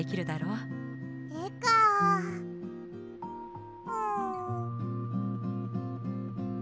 うん。